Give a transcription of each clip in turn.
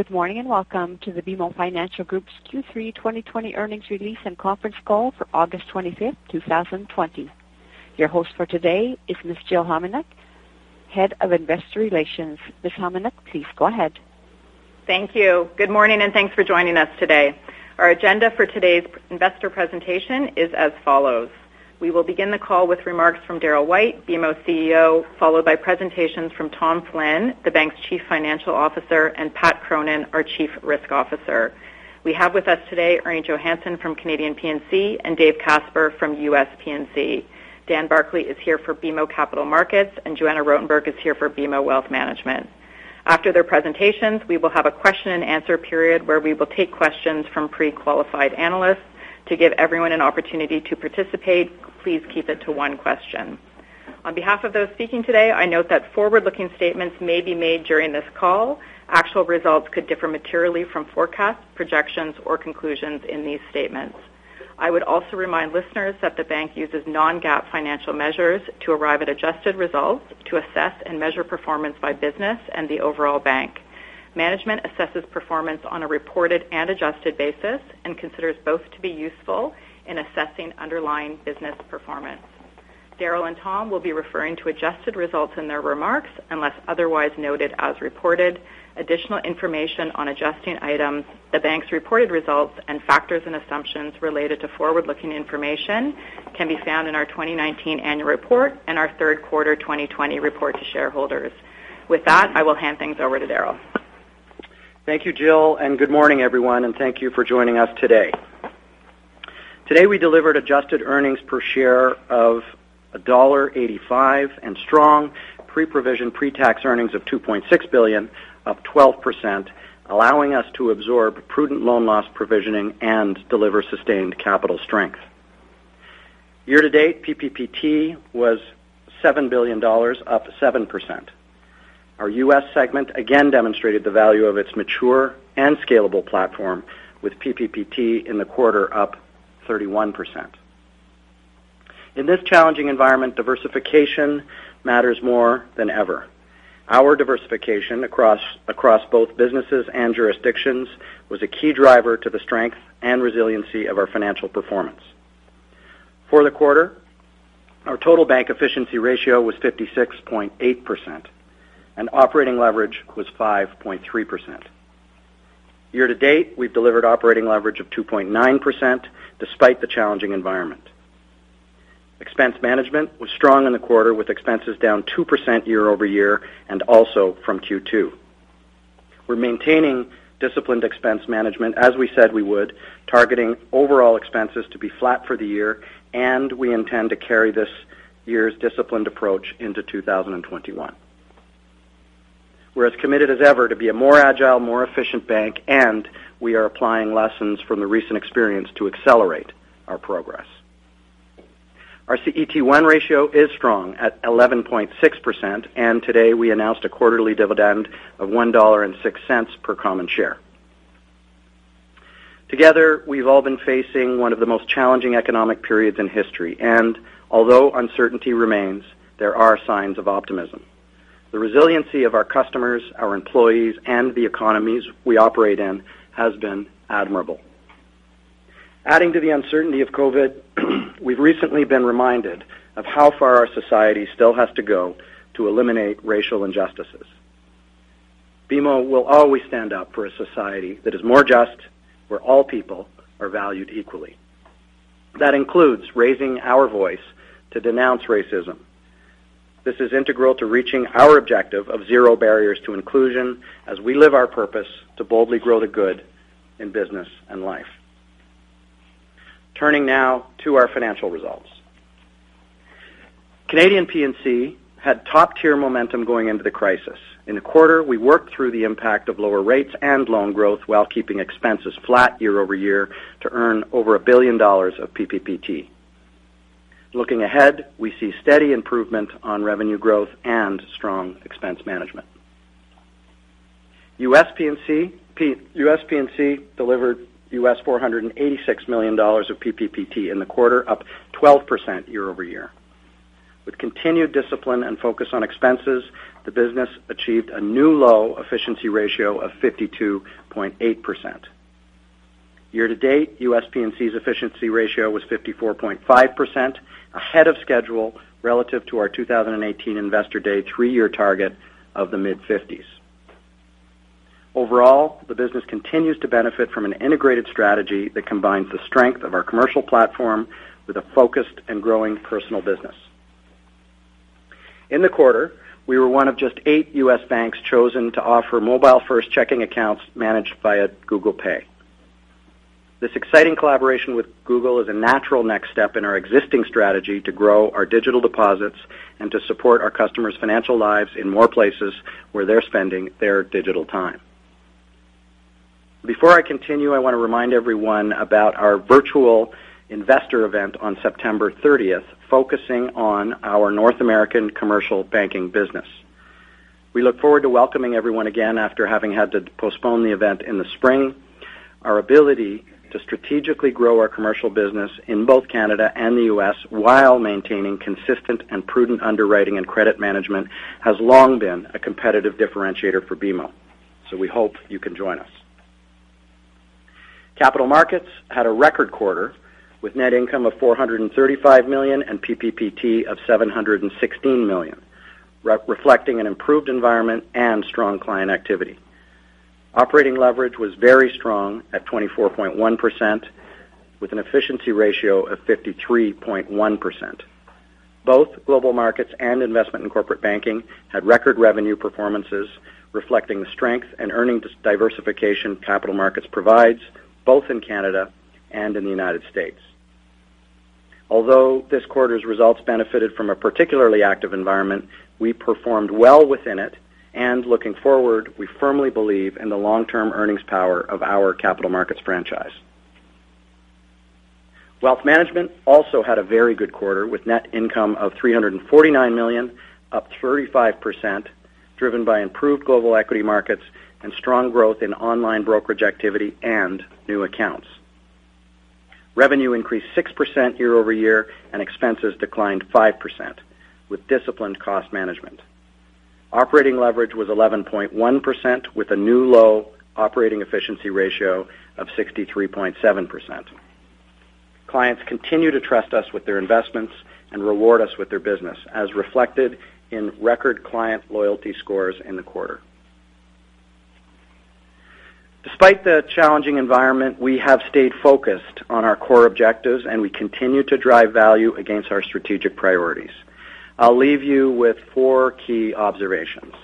Good morning. Welcome to the BMO Financial Group's Q3 2020 earnings release and conference call for August 25th, 2020. Your host for today is Ms. Jill Homenuk, Head of Investor Relations. Ms. Homenuk, please go ahead. Thank you. Good morning, and thanks for joining us today. Our agenda for today's investor presentation is as follows. We will begin the call with remarks from Darryl White, BMO CEO, followed by presentations from Tom Flynn, the bank's Chief Financial Officer, and Pat Cronin, our Chief Risk Officer. We have with us today Ernie Johannson from Canadian P&C and Dave Casper from U.S. P&C. Dan Barclay is here for BMO Capital Markets, and Joanna Rotenberg is here for BMO Wealth Management. After their presentations, we will have a question-and-answer period where we will take questions from pre-qualified analysts. To give everyone an opportunity to participate, please keep it to one question. On behalf of those speaking today, I note that forward-looking statements may be made during this call. Actual results could differ materially from forecasts, projections, or conclusions in these statements. I would also remind listeners that the bank uses non-GAAP financial measures to arrive at adjusted results to assess and measure performance by business and the overall bank. Management assesses performance on a reported and adjusted basis and considers both to be useful in assessing underlying business performance. Darryl and Tom will be referring to adjusted results in their remarks unless otherwise noted as reported. Additional information on adjusting items, the bank's reported results, and factors and assumptions related to forward-looking information can be found in our 2019 annual report and our third quarter 2020 report to shareholders. With that, I will hand things over to Darryl. Thank you, Jill. Good morning, everyone, and thank you for joining us today. Today we delivered adjusted earnings per share of $1.85 and strong pre-provision, pre-tax earnings of $2.6 billion, up 12%, allowing us to absorb prudent loan loss provisioning and deliver sustained capital strength. Year-to-date, PPPT was $7 billion, up 7%. Our U.S. segment again demonstrated the value of its mature and scalable platform with PPPT in the quarter up 31%. In this challenging environment, diversification matters more than ever. Our diversification across both businesses and jurisdictions was a key driver to the strength and resiliency of our financial performance. For the quarter, our total bank efficiency ratio was 56.8% and operating leverage was 5.3%. Year-to-date, we've delivered operating leverage of 2.9% despite the challenging environment. Expense management was strong in the quarter with expenses down 2% year-over-year and also from Q2. We're maintaining disciplined expense management as we said we would, targeting overall expenses to be flat for the year, and we intend to carry this year's disciplined approach into 2021. We're as committed as ever to be a more agile, more efficient bank, and we are applying lessons from the recent experience to accelerate our progress. Our CET1 ratio is strong at 11.6%, and today we announced a quarterly dividend of $1.06 per common share. Together, we've all been facing one of the most challenging economic periods in history, and although uncertainty remains, there are signs of optimism. The resiliency of our customers, our employees, and the economies we operate in has been admirable. Adding to the uncertainty of COVID, we've recently been reminded of how far our society still has to go to eliminate racial injustices. BMO will always stand up for a society that is more just, where all people are valued equally. That includes raising our voice to denounce racism. This is integral to reaching our objective of zero barriers to inclusion as we live our purpose To Boldly Grow the Good in business and life. Turning now to our financial results. Canadian P&C had top-tier momentum going into the crisis. In the quarter, we worked through the impact of lower rates and loan growth while keeping expenses flat year-over-year to earn over a billion of PPPT. Looking ahead, we see steady improvement on revenue growth and strong expense management. U.S. P&C delivered $486 million of PPPT in the quarter, up 12% year-over-year. With continued discipline and focus on expenses, the business achieved a new low efficiency ratio of 52.8%. Year-to-date, U.S. P&C's efficiency ratio was 54.5%, ahead of schedule relative to our 2018 Investor Day three-year target of the mid-50s. Overall, the business continues to benefit from an integrated strategy that combines the strength of our commercial platform with a focused and growing personal business. In the quarter, we were one of just eight U.S. banks chosen to offer mobile-first checking accounts managed via Google Pay. This exciting collaboration with Google is a natural next step in our existing strategy to grow our digital deposits and to support our customers' financial lives in more places where they're spending their digital time. Before I continue, I want to remind everyone about our virtual investor event on September 30th, focusing on our North American commercial banking business. We look forward to welcoming everyone again after having had to postpone the event in the spring. Our ability to strategically grow our commercial business in both Canada and the U.S., while maintaining consistent and prudent underwriting and credit management has long been a competitive differentiator for BMO. We hope you can join us. Capital Markets had a record quarter with net income of $435 million and PPPT of $716 million, reflecting an improved environment and strong client activity. Operating leverage was very strong at 24.1% with an efficiency ratio of 53.1%. Both Global Markets and Investment and Corporate Banking had record revenue performances reflecting the strength and earnings diversification Capital Markets provides, both in Canada and in the United States. Although this quarter's results benefited from a particularly active environment, we performed well within it, and looking forward, we firmly believe in the long-term earnings power of our Capital Markets franchise. Wealth Management also had a very good quarter with net income of $349 million, up 35%, driven by improved global equity markets and strong growth in online brokerage activity and new accounts. Revenue increased 6% year-over-year and expenses declined 5% with disciplined cost management. Operating leverage was 11.1% with a new low operating efficiency ratio of 63.7%. Clients continue to trust us with their investments and reward us with their business as reflected in record client loyalty scores in the quarter. Despite the challenging environment, we have stayed focused on our core objectives and we continue to drive value against our strategic priorities. I'll leave you with four key observations.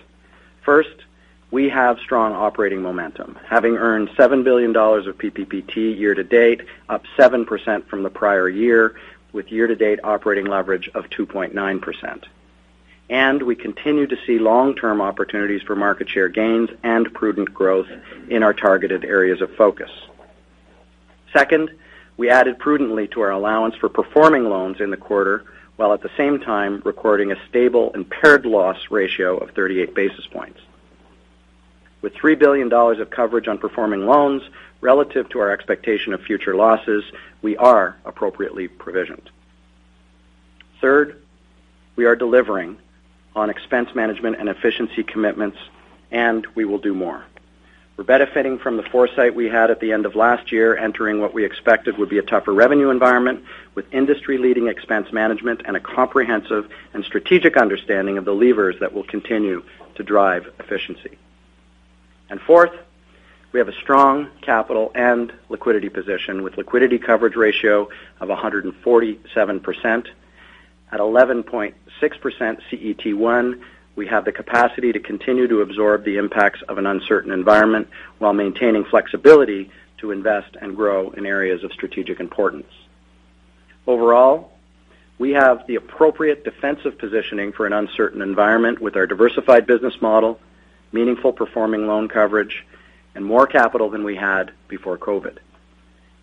First, we have strong operating momentum, having earned $7 billion of PPPT year-to-date, up 7% from the prior year, with year-to-date operating leverage of 2.9%. We continue to see long-term opportunities for market share gains and prudent growth in our targeted areas of focus. Second, we added prudently to our allowance for performing loans in the quarter while at the same time recording a stable impaired loss ratio of 38 basis points. With $3 billion of coverage on performing loans relative to our expectation of future losses, we are appropriately provisioned. Third, we are delivering on expense management and efficiency commitments, and we will do more. We're benefiting from the foresight we had at the end of last year, entering what we expected would be a tougher revenue environment with industry-leading expense management and a comprehensive and strategic understanding of the levers that will continue to drive efficiency. Fourth, we have a strong capital and liquidity position with liquidity coverage ratio of 147%. At 11.6% CET1, we have the capacity to continue to absorb the impacts of an uncertain environment while maintaining flexibility to invest and grow in areas of strategic importance. Overall, we have the appropriate defensive positioning for an uncertain environment with our diversified business model, meaningful performing loan coverage, and more capital than we had before COVID.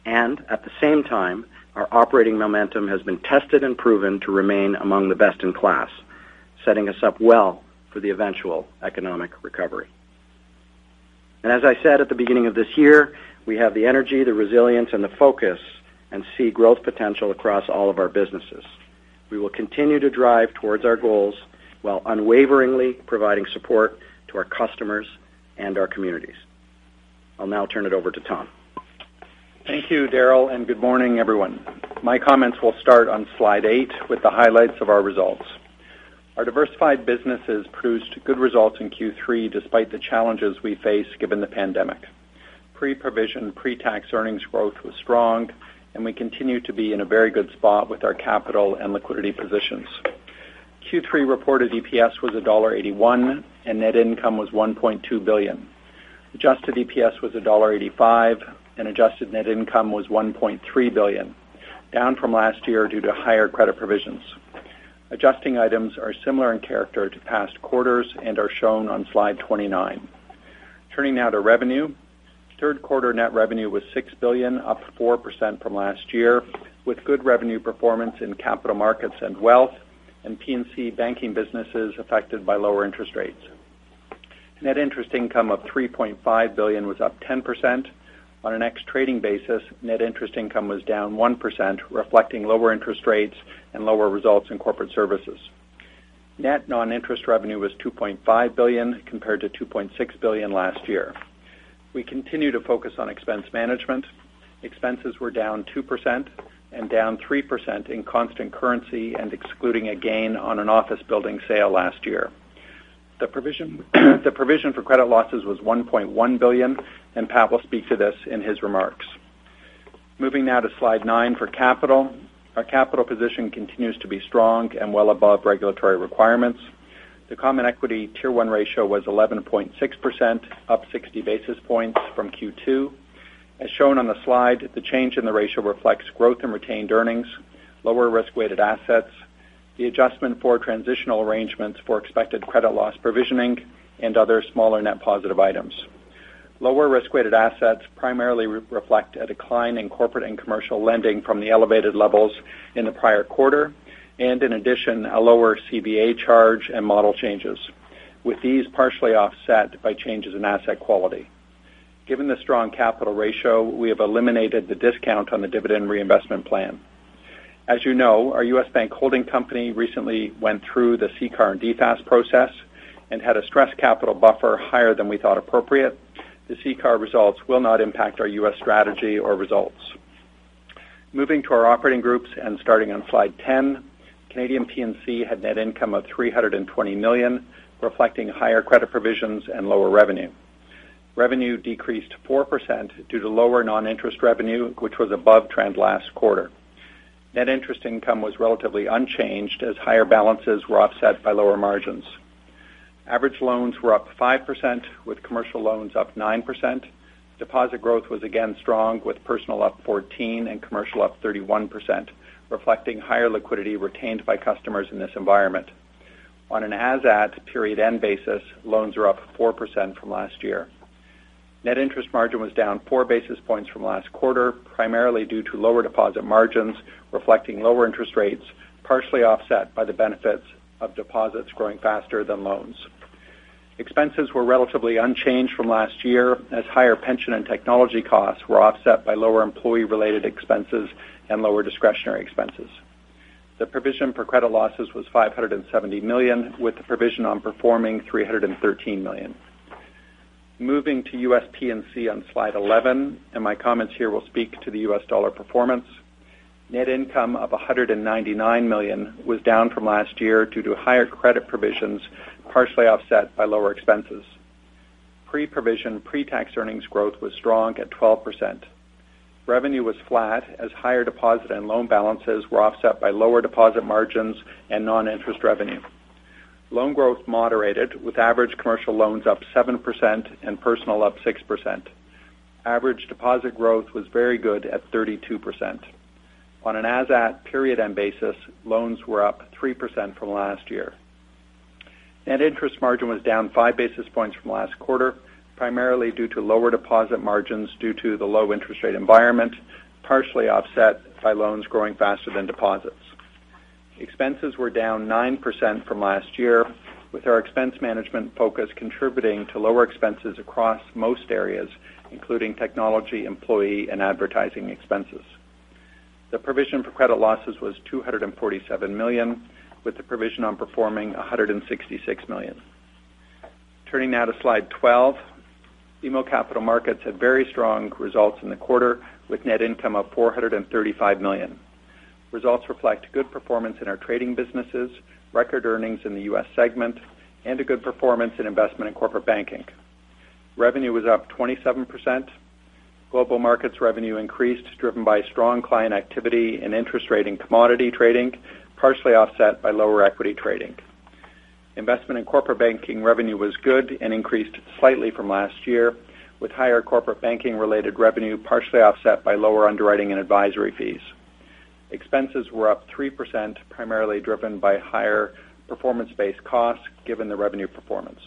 At the same time, our operating momentum has been tested and proven to remain among the best in class, setting us up well for the eventual economic recovery. As I said at the beginning of this year, we have the energy, the resilience, and the focus and see growth potential across all of our businesses. We will continue to drive towards our goals while unwaveringly providing support to our customers and our communities. I'll now turn it over to Tom. Thank you, Darryl, good morning, everyone. My comments will start on slide eight with the highlights of our results. Our diversified businesses produced good results in Q3 despite the challenges we face given the pandemic. Pre-provision, pre-tax earnings growth was strong and we continue to be in a very good spot with our capital and liquidity positions. Q3 reported EPS was $1.81 and net income was $1.2 billion. Adjusted EPS was $1.85 and adjusted net income was $1.3 billion, down from last year due to higher credit provisions. Adjusting items are similar in character to past quarters and are shown on slide 29. Turning now to revenue. Third quarter net revenue was $6 billion, up 4% from last year, with good revenue performance in Capital Markets and Wealth, and P&C banking businesses affected by lower interest rates. Net interest income of $3.5 billion was up 10%. On an ex-trading basis, net interest income was down 1%, reflecting lower interest rates and lower results in Corporate Services. Net non-interest revenue was $2.5 billion compared to $2.6 billion last year. We continue to focus on expense management. Expenses were down 2% and down 3% in constant currency and excluding a gain on an office building sale last year. The provision for credit losses was $1.1 billion. Pat will speak to this in his remarks. Moving now to slide nine for capital. Our capital position continues to be strong and well above regulatory requirements. The Common Equity Tier 1 ratio was 11.6%, up 60 basis points from Q2. As shown on the slide, the change in the ratio reflects growth in retained earnings, lower Risk-Weighted Assets, the adjustment for transitional arrangements for expected credit loss provisioning, and other smaller net positive items. Lower Risk-Weighted Assets primarily reflect a decline in corporate and commercial lending from the elevated levels in the prior quarter. In addition, a lower CVA charge and model changes. With these partially offset by changes in asset quality. Given the strong capital ratio, we have eliminated the discount on the dividend reinvestment plan. As you know, our U.S. Bank holding company recently went through the CCAR and DFAST process and had a Stress Capital Buffer higher than we thought appropriate. The CCAR results will not impact our U.S. strategy or results. Moving to our operating groups, starting on slide 10, Canadian P&C had net income of $320 million, reflecting higher credit provisions and lower revenue. Revenue decreased 4% due to lower non-interest revenue, which was above trend last quarter. Net interest income was relatively unchanged as higher balances were offset by lower margins. Average loans were up 5%, with commercial loans up 9%. Deposit growth was again strong, with personal up 14% and commercial up 31%, reflecting higher liquidity retained by customers in this environment. On an as at period end basis, loans are up 4% from last year. Net interest margin was down four basis points from last quarter, primarily due to lower deposit margins, reflecting lower interest rates, partially offset by the benefits of deposits growing faster than loans. Expenses were relatively unchanged from last year as higher pension and technology costs were offset by lower employee-related expenses and lower discretionary expenses. The provision for credit losses was $570 million, with the provision on performing $313 million. Moving to U.S. P&C on slide 11, and my comments here will speak to the U.S. dollar performance. Net income of $199 million was down from last year due to higher credit provisions, partially offset by lower expenses. Pre-provision, pre-tax earnings growth was strong at 12%. Revenue was flat as higher deposit and loan balances were offset by lower deposit margins and non-interest revenue. Loan growth moderated with average commercial loans up 7% and personal up 6%. Average deposit growth was very good at 32%. On an as-of-period-end basis, loans were up 3% from last year. Net interest margin was down 5 basis points from last quarter, primarily due to lower deposit margins due to the low interest rate environment, partially offset by loans growing faster than deposits. Expenses were down 9% from last year, with our expense management focus contributing to lower expenses across most areas, including technology, employee, and advertising expenses. The provision for credit losses was $247 million, with the provision on performing $166 million. Turning now to slide 12. BMO Capital Markets had very strong results in the quarter, with net income of $435 million. Results reflect good performance in our trading businesses, record earnings in the U.S. segment, and a good performance in Investment and Corporate Banking. Revenue was up 27%. Global Markets revenue increased, driven by strong client activity and interest rate in commodity trading, partially offset by lower equity trading. Investment and Corporate Banking revenue was good and increased slightly from last year, with higher corporate banking-related revenue partially offset by lower underwriting and advisory fees. Expenses were up 3%, primarily driven by higher performance-based costs given the revenue performance.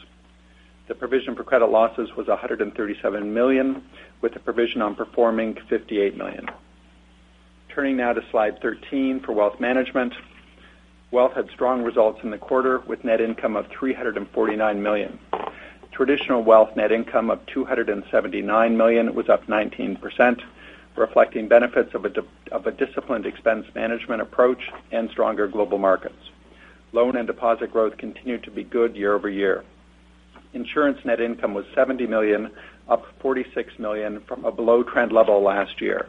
The provision for credit losses was $137 million, with the provision on performing $58 million. Turning now to slide 13 for Wealth Management. Wealth had strong results in the quarter with net income of $349 million. Traditional Wealth net income of $279 million was up 19%, reflecting benefits of a disciplined expense management approach and stronger global markets. Loan and deposit growth continued to be good year-over-year. Insurance net income was $70 million, up $46 million from a below-trend level last year.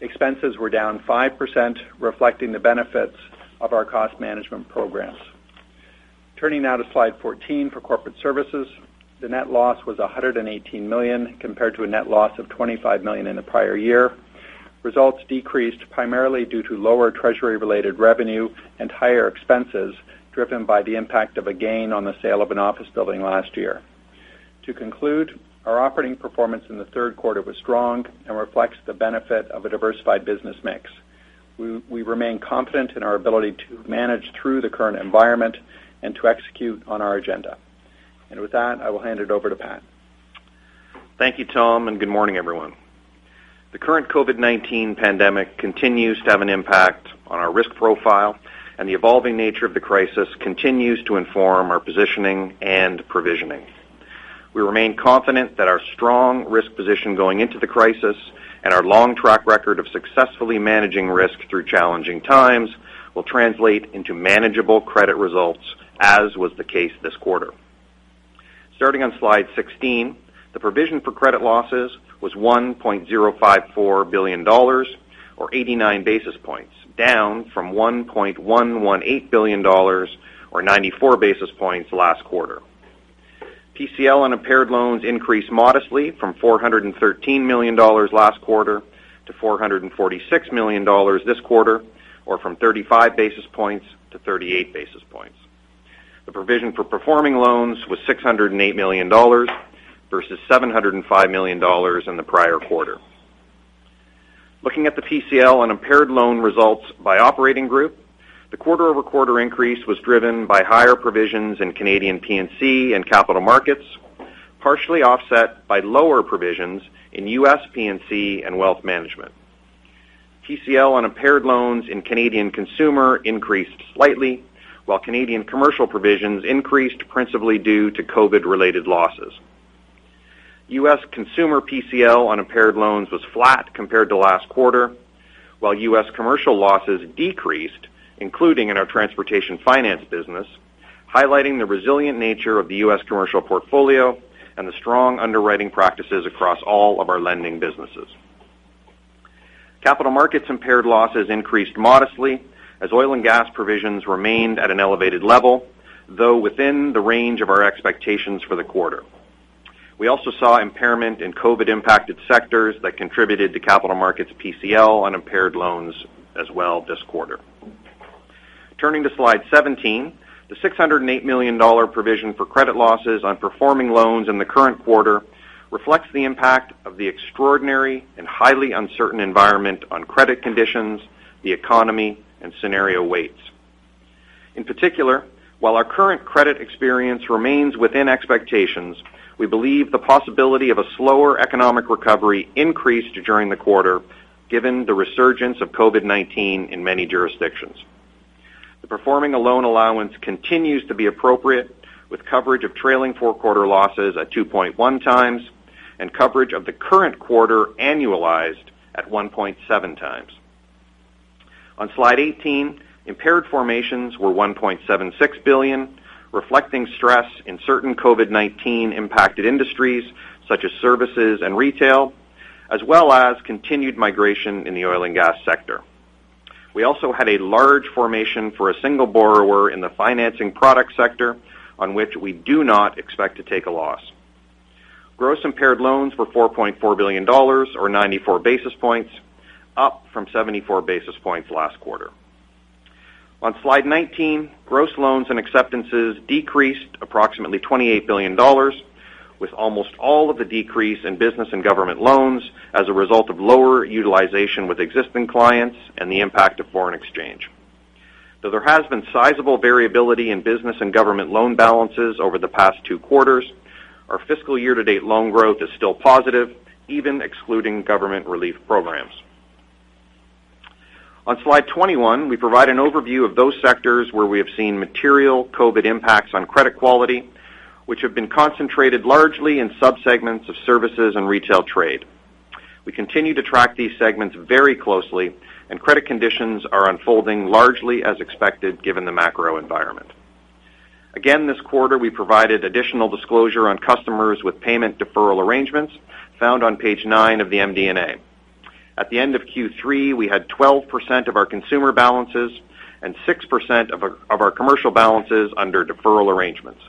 Expenses were down 5%, reflecting the benefits of our cost management programs. Turning now to slide 14 for Corporate Services. The net loss was $118 million compared to a net loss of $25 million in the prior year. Results decreased primarily due to lower treasury related revenue and higher expenses driven by the impact of a gain on the sale of an office building last year. To conclude, our operating performance in the third quarter was strong and reflects the benefit of a diversified business mix. We remain confident in our ability to manage through the current environment and to execute on our agenda. With that, I will hand it over to Pat. Thank you, Tom, and good morning, everyone. The current COVID-19 pandemic continues to have an impact on our risk profile, and the evolving nature of the crisis continues to inform our positioning and provisioning. We remain confident that our strong risk position going into the crisis and our long track record of successfully managing risk through challenging times will translate into manageable credit results, as was the case this quarter. Starting on slide 16, the provision for credit losses was $1.054 billion or 89 basis points, down from $1.118 billion or 94 basis points last quarter. PCL on impaired loans increased modestly from $413 million last quarter to $446 million this quarter, or from 35 basis points-38 basis points. The provision for performing loans was $608 million versus $705 million in the prior quarter. Looking at the PCL on impaired loan results by operating group, the quarter-over-quarter increase was driven by higher provisions in Canadian P&C and Capital Markets, partially offset by lower provisions in U.S. P&C and Wealth Management. PCL on impaired loans in Canadian consumer increased slightly, while Canadian commercial provisions increased principally due to COVID-related losses. U.S. consumer PCL on impaired loans was flat compared to last quarter, while U.S. commercial losses decreased, including in our transportation finance business, highlighting the resilient nature of the U.S. Commercial portfolio and the strong underwriting practices across all of our lending businesses. Capital Markets impaired losses increased modestly as Oil and Gas provisions remained at an elevated level, though within the range of our expectations for the quarter. We also saw impairment in COVID-impacted sectors that contributed to Capital Markets PCL on impaired loans as well this quarter. Turning to slide 17. The $608 million provision for credit losses on performing loans in the current quarter reflects the impact of the extraordinary and highly uncertain environment on credit conditions, the economy, and scenario weights. In particular, while our current credit experience remains within expectations, we believe the possibility of a slower economic recovery increased during the quarter, given the resurgence of COVID-19 in many jurisdictions. The performing loan allowance continues to be appropriate with coverage of trailing four quarter losses at 2.1x and coverage of the current quarter annualized at 1.7x. On slide 18, impaired formations were $1.76 billion, reflecting stress in certain COVID-19 impacted industries such as Services and Retail, as well as continued migration in the Oil and Gas sector. We also had a large formation for a single borrower in the financing product sector on which we do not expect to take a loss. Gross Impaired Loans were $4.4 billion, or 94 basis points, up from 74 basis points last quarter. On slide 19, Gross loans and acceptances decreased approximately $28 billion, with almost all of the decrease in business and government loans as a result of lower utilization with existing clients and the impact of foreign exchange. Though there has been sizable variability in business and government loan balances over the past two quarters, our fiscal year-to-date loan growth is still positive, even excluding government relief programs. On slide 21, we provide an overview of those sectors where we have seen material COVID impacts on credit quality, which have been concentrated largely in sub-segments of Services and Retail Trade. We continue to track these segments very closely, and credit conditions are unfolding largely as expected given the macro environment. Again, this quarter, we provided additional disclosure on customers with payment deferral arrangements found on page nine of the MD&A. At the end of Q3, we had 12% of our consumer balances and 6% of our commercial balances under deferral arrangements.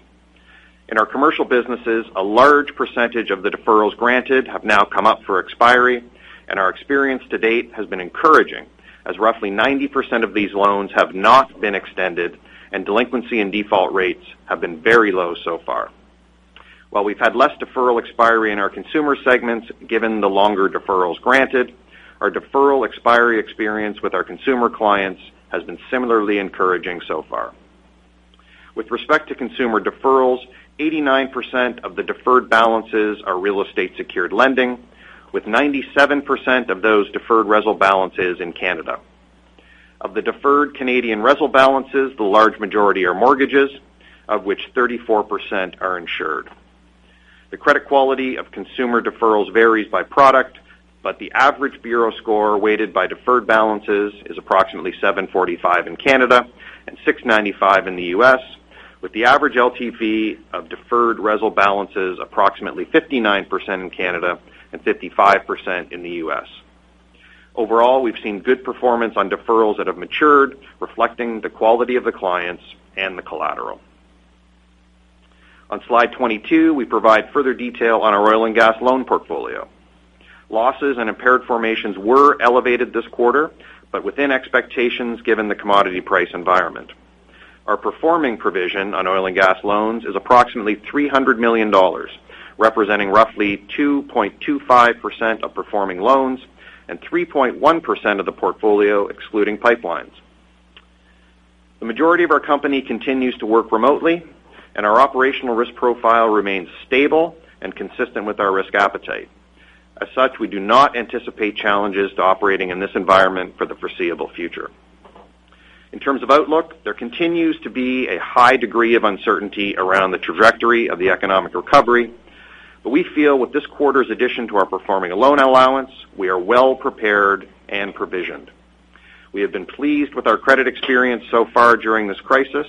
In our Commercial businesses, a large percentage of the deferrals granted have now come up for expiry, and our experience to date has been encouraging, as roughly 90% of these loans have not been extended and delinquency and default rates have been very low so far. While we've had less deferral expiry in our consumer segments, given the longer deferrals granted, our deferral expiry experience with our consumer clients has been similarly encouraging so far. With respect to consumer deferrals, 89% of the deferred balances are Real Estate Secured Lending, with 97% of those deferred RESL balances in Canada. Of the deferred Canadian RESL balances, the large majority are mortgages, of which 34% are insured. The credit quality of consumer deferrals varies by product, but the average bureau score weighted by deferred balances is approximately 745 in Canada and 695 in the U.S., with the average LTV of deferred RESL balances approximately 59% in Canada and 55% in the U.S. Overall, we've seen good performance on deferrals that have matured, reflecting the quality of the clients and the collateral. On slide 22, we provide further detail on our Oil and Gas loan portfolio. Losses and impaired formations were elevated this quarter, but within expectations given the commodity price environment. Our performing provision on Oil and Gas loans is approximately $300 million, representing roughly 2.25% of performing loans and 3.1% of the portfolio excluding pipelines. The majority of our company continues to work remotely, and our operational risk profile remains stable and consistent with our risk appetite. As such, we do not anticipate challenges to operating in this environment for the foreseeable future. In terms of outlook, there continues to be a high degree of uncertainty around the trajectory of the economic recovery. We feel with this quarter's addition to our performing loan allowance, we are well prepared and provisioned. We have been pleased with our credit experience so far during this crisis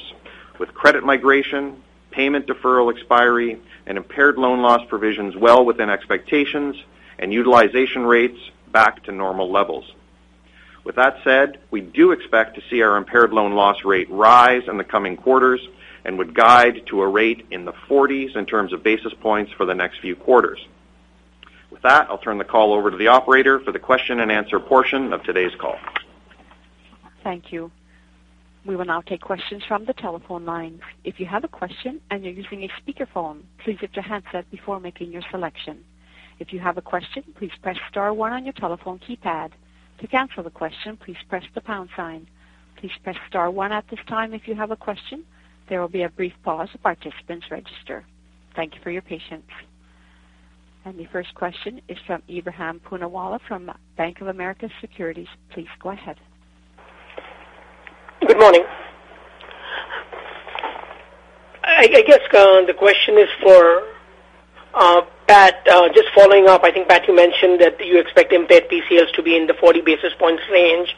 with credit migration, payment deferral expiry, and impaired loan loss provisions well within expectations and utilization rates back to normal levels. With that said, we do expect to see our impaired loan loss rate rise in the coming quarters and would guide to a rate in the 40s in terms of basis points for the next few quarters. With that, I'll turn the call over to the operator for the question and answer portion of today's call. Thank you. We will now take questions from the telephone lines. If you have a question and you're using a speakerphone, please use your headset before making your selection. If you have a question, please press star one on your telephone keypad. To cancel a question, please press the pound sign. Please press star one at this time if you have a question. There will be a brief pause, participants register. The first question is from Ebrahim Poonawala from Bank of America Securities. Please go ahead. Good morning. I guess the question is for Pat. Just following up, I think, Pat, you mentioned that you expect impaired PCLs to be in the 40 basis points range.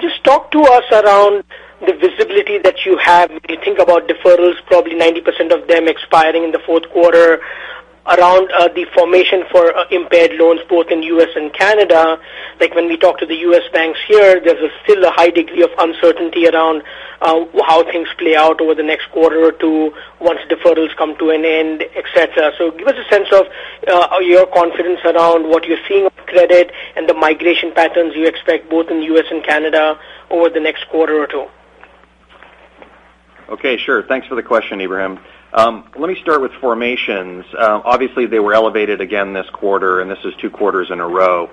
Just talk to us around the visibility that you have when you think about deferrals, probably 90% of them expiring in the fourth quarter around the formation for impaired loans both in U.S. and Canada. When we talk to the U.S. banks here, there's still a high degree of uncertainty around how things play out over the next quarter or two once deferrals come to an end, et cetera. Give us a sense of your confidence around what you're seeing with credit and the migration patterns you expect both in the U.S. and Canada over the next quarter or two. Okay, sure. Thanks for the question, Ebrahim. Let me start with formations. Obviously, they were elevated again this quarter, and this is two quarters in a row.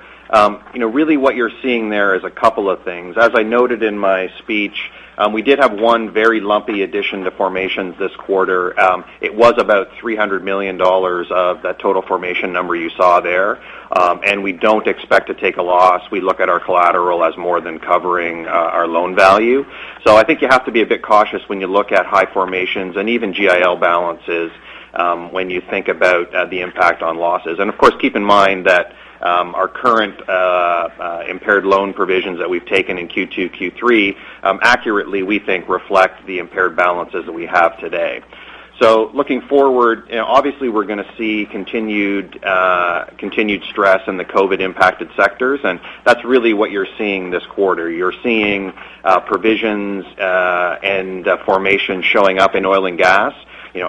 Really what you're seeing there is a couple of things. As I noted in my speech, we did have one very lumpy addition to formations this quarter. It was about $300 million of that total formation number you saw there. We don't expect to take a loss. We look at our collateral as more than covering our loan value. I think you have to be a bit cautious when you look at high formations and even GIL balances when you think about the impact on losses. Of course, keep in mind that our current impaired loan provisions that we've taken in Q2, Q3 accurately, we think, reflect the impaired balances that we have today. Looking forward, obviously we're going to see continued stress in the COVID-impacted sectors, and that's really what you're seeing this quarter. You're seeing provisions and formations showing up in Oil and Gas.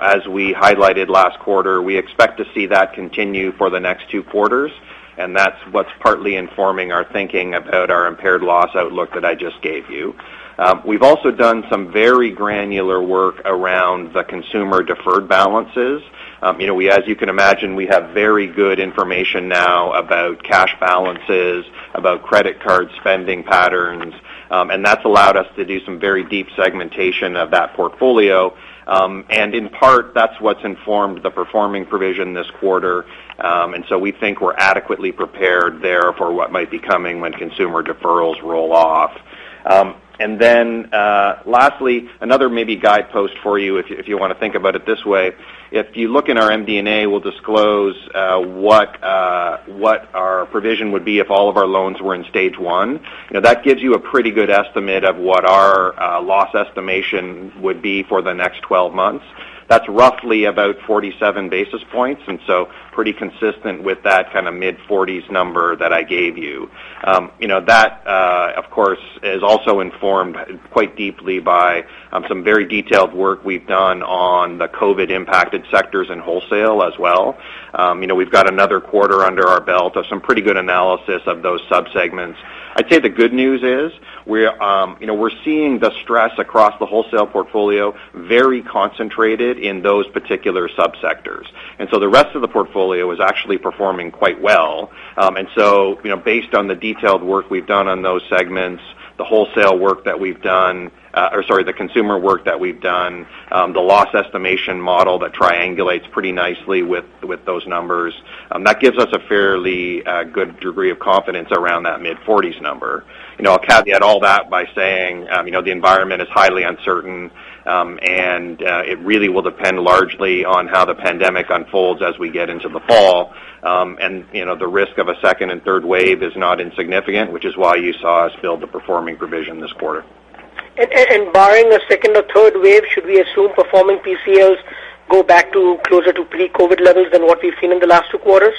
As we highlighted last quarter, we expect to see that continue for the next two quarters, and that's what's partly informing our thinking about our impaired loss outlook that I just gave you. We've also done some very granular work around the consumer deferred balances. As you can imagine, we have very good information now about cash balances, about credit card spending patterns, and that's allowed us to do some very deep segmentation of that portfolio. In part, that's what's informed the performing provision this quarter. We think we're adequately prepared there for what might be coming when consumer deferrals roll off. Lastly, another maybe guidepost for you if you want to think about it this way. If you look in our MD&A, we'll disclose what our provision would be if all of our loans were in Stage 1. That gives you a pretty good estimate of what our loss estimation would be for the next 12 months. That's roughly about 47 basis points, pretty consistent with that kind of mid-40s number that I gave you. That, of course, is also informed quite deeply by some very detailed work we've done on the COVID-impacted sectors and wholesale as well. We've got another quarter under our belt of some pretty good analysis of those subsegments. I'd say the good news is we're seeing the stress across the wholesale portfolio very concentrated in those particular subsectors. The rest of the portfolio is actually performing quite well. Based on the detailed work we've done on those segments, the consumer work that we've done, the loss estimation model that triangulates pretty nicely with those numbers, that gives us a fairly good degree of confidence around that mid-40s number. I'll caveat all that by saying the environment is highly uncertain, and it really will depend largely on how the pandemic unfolds as we get into the fall. The risk of a second and third wave is not insignificant, which is why you saw us build the performing provision this quarter. Barring a second or third wave, should we assume performing PCLs go back to closer to pre-COVID levels than what we've seen in the last two quarters?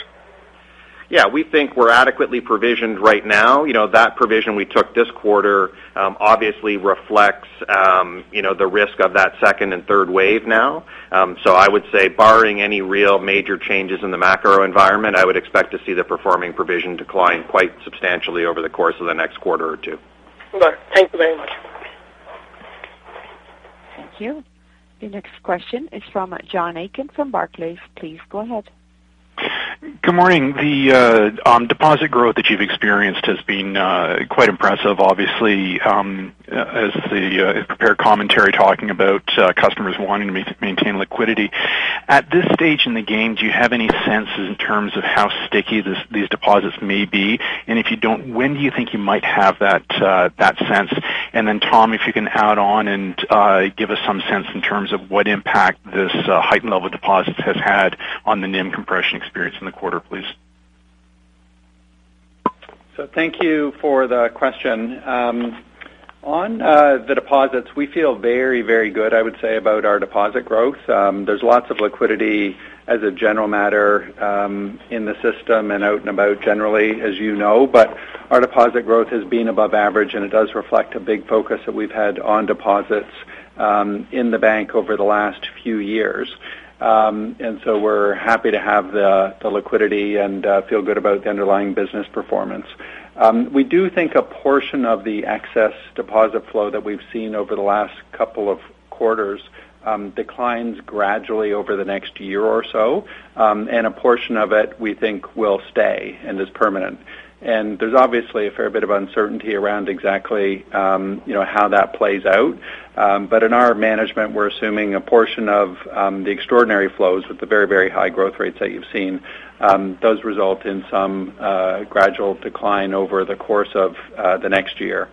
We think we're adequately provisioned right now. That provision we took this quarter obviously reflects the risk of that second and third wave now. I would say barring any real major changes in the macro environment, I would expect to see the performing provision decline quite substantially over the course of the next quarter or two. Sure. Thank you very much. Thank you. Your next question is from John Aiken from Barclays. Please go ahead. Good morning. The deposit growth that you've experienced has been quite impressive, obviously, as the prepared commentary talking about customers wanting to maintain liquidity. At this stage in the game, do you have any sense in terms of how sticky these deposits may be? If you don't, when do you think you might have that sense? Then Tom, if you can add on and give us some sense in terms of what impact this heightened level deposits has had on the NIM compression experience in the quarter, please? Thank you for the question. On the deposits, we feel very, very good, I would say, about our deposit growth. There's lots of liquidity as a general matter in the system and out and about generally, as you know. Our deposit growth has been above average, and it does reflect a big focus that we've had on deposits in the bank over the last few years. We're happy to have the liquidity and feel good about the underlying business performance. We do think a portion of the excess deposit flow that we've seen over the last couple of quarters declines gradually over the next year or so. A portion of it we think will stay and is permanent. There's obviously a fair bit of uncertainty around exactly how that plays out. But in our management, we're assuming a portion of the extraordinary flows with the very high growth rates that you've seen does result in some gradual decline over the course of the next year.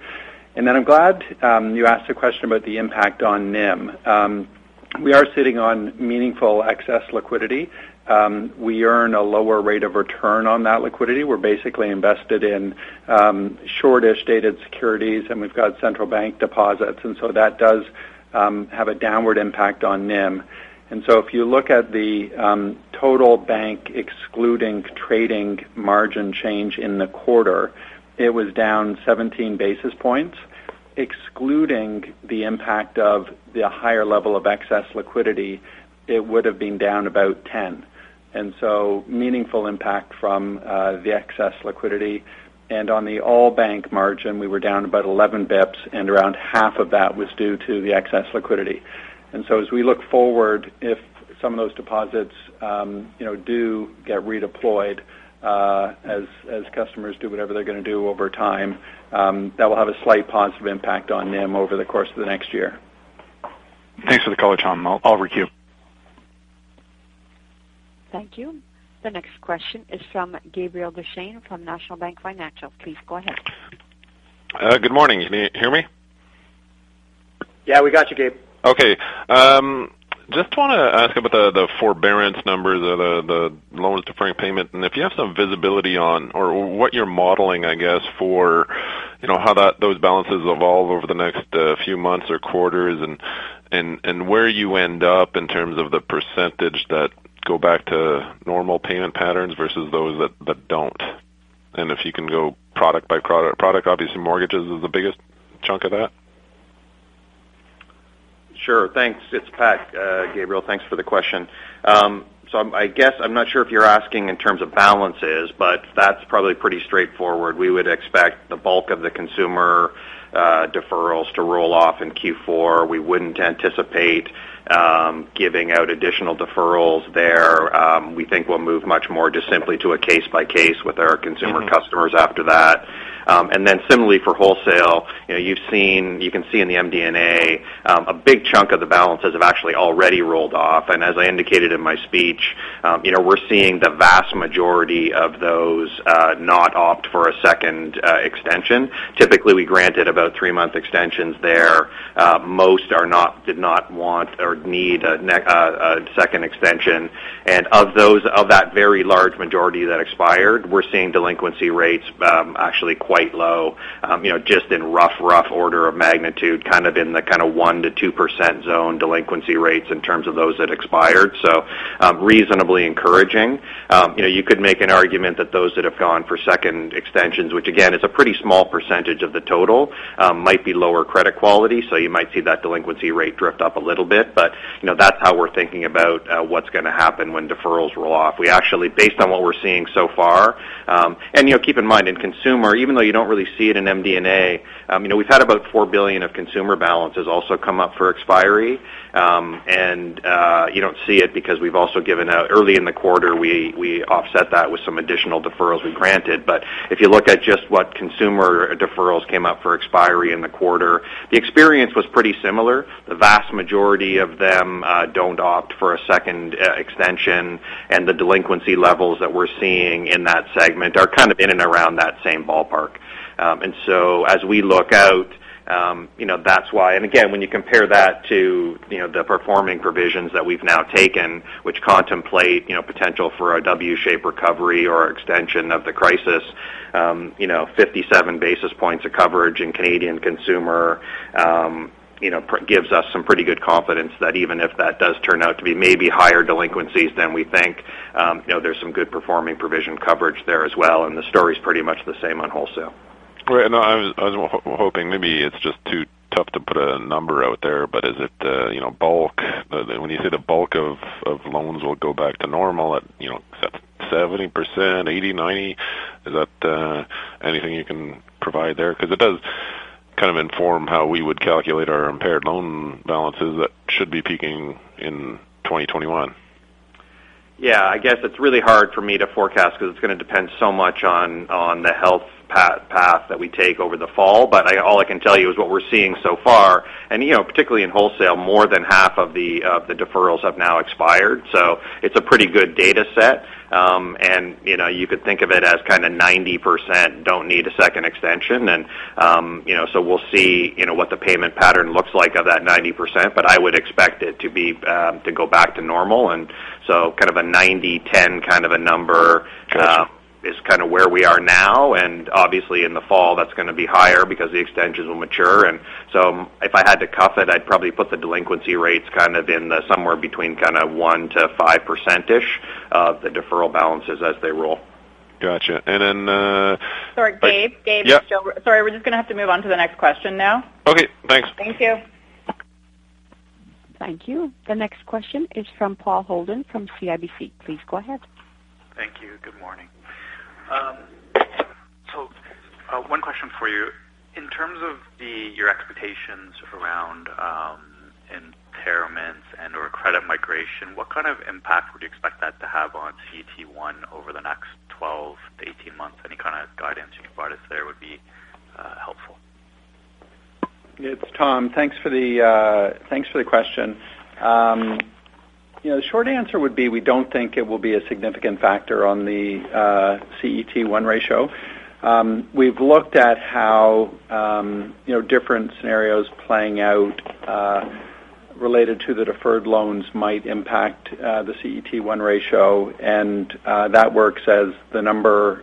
Then I'm glad you asked a question about the impact on NIM. We are sitting on meaningful excess liquidity. We earn a lower rate of return on that liquidity. We're basically invested in shortish dated securities, and we've got central bank deposits, and so that does have a downward impact on NIM. So if you look at the total bank, excluding trading margin change in the quarter, it was down 17 basis points. Excluding the impact of the higher level of excess liquidity, it would've been down about 10 basis points. So meaningful impact from the excess liquidity. On the all bank margin, we were down about 11 basis points and around half of that was due to the excess liquidity. As we look forward, if some of those deposits do get redeployed as customers do whatever they're going to do over time, that will have a slight positive impact on NIM over the course of the next year. Thanks for the color, Tom. I'll queue. Thank you. The next question is from Gabriel Dechaine from National Bank Financial. Please go ahead. Good morning. Can you hear me? Yeah, we got you, Gabe. Okay. Just want to ask about the forbearance numbers, the loans deferring payment, and if you have some visibility on or what you're modeling, I guess, for how those balances evolve over the next few months or quarters and where you end up in terms of the percentage that go back to normal payment patterns versus those that don't and if you can go product by product, obviously, mortgages is the biggest chunk of that? Sure. Thanks. It's Pat. Gabriel, thanks for the question. I guess I'm not sure if you're asking in terms of balances, but that's probably pretty straightforward. We would expect the bulk of the consumer deferrals to roll off in Q4. We wouldn't anticipate giving out additional deferrals there. We think we'll move much more just simply to a case by case with our consumer customers after that. Similarly for wholesale, you can see in the MD&A, a big chunk of the balances have actually already rolled off. As I indicated in my speech, we're seeing the vast majority of those not opt for a second extension. Typically, we granted about three-month extensions there. Most did not want or need a second extension. Of that very large majority that expired, we're seeing delinquency rates actually quite low. Just in rough order of magnitude, kind of in the 1%-2% zone delinquency rates in terms of those that expired. Reasonably encouraging. You could make an argument that those that have gone for second extensions, which again, is a pretty small percentage of the total, might be lower credit quality, so you might see that delinquency rate drift up a little bit, but that's how we're thinking about what's going to happen when deferrals roll off. Based on what we're seeing so far, keep in mind, in consumer, even though you don't really see it in MD&A, we've had about $4 billion of consumer balances also come up for expiry. You don't see it because we've also given out early in the quarter, we offset that with some additional deferrals we granted. If you look at just what consumer deferrals came up for expiry in the quarter, the experience was pretty similar. The vast majority of them don't opt for a second extension, and the delinquency levels that we're seeing in that segment are kind of in and around that same ballpark. As we look out, that's why. Again, when you compare that to the performing provisions that we've now taken, which contemplate potential for a W-shaped recovery or extension of the crisis, 57 basis points of coverage in Canadian consumer gives us some pretty good confidence that even if that does turn out to be maybe higher delinquencies than we think, there's some good performing provision coverage there as well, and the story's pretty much the same on wholesale. Right. No, I was hoping maybe it's just too tough to put a number out there, but is it bulk? When you say the bulk of loans will go back to normal at 70%, 80%, 90%? Is that anything you can provide there? It does kind of inform how we would calculate our impaired loan balances that should be peaking in 2021. Yeah. I guess it's really hard for me to forecast because it's going to depend so much on the health path that we take over the fall. All I can tell you is what we're seeing so far, and particularly in wholesale, more than half of the deferrals have now expired. It's a pretty good data set. You could think of it as kind of 90% don't need a second extension. We'll see what the payment pattern looks like of that 90%, but I would expect it to go back to normal, and so kind of a 90, 10 kind of a number is kind of where we are now. Obviously in the fall, that's going to be higher because the extensions will mature. If I had to cuff it, I'd probably put the delinquency rates kind of in the somewhere between kind of 1%-5%-ish of the deferral balances as they roll. Got you. Sorry, Gabe. Gabe. Yeah. Sorry, we're just going to have to move on to the next question now. Okay, thanks. Thank you. Thank you. The next question is from Paul Holden from CIBC. Please go ahead. Thank you. Good morning. One question for you. In terms of your expectations around impairments and/or credit migration, what kind of impact would you expect that to have on CET1 over the next 12-18 months? Any kind of guidance you can provide us there would be helpful. It's Tom. Thanks for the question. Short answer would be we don't think it will be a significant factor on the CET1 ratio. We've looked at how different scenarios playing out related to the deferred loans might impact the CET1 ratio, and that works as the number